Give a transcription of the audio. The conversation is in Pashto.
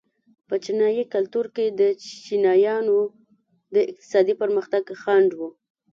په چینايي کلتور کې د چینایانو د اقتصادي پرمختګ خنډ و.